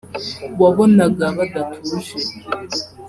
wabonaga badatuje